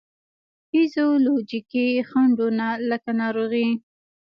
فزیولوجیکي خنډو نه لکه ناروغي،